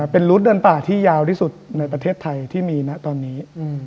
เป็นรุดเดินป่าที่ยาวที่สุดในประเทศไทยที่มีนะตอนนี้